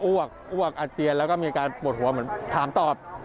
อ้วกอาเจียนแล้วก็มีอาการปวดหัวเหมือนถามตอบ